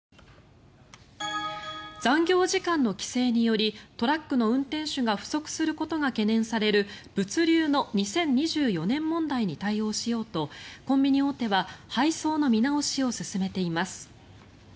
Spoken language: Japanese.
残業時間の規制によりトラックの運転手が不足されることが懸念される物流の２０２４年問題に対応しようとコンビニ大手は配送の見直しを進めています。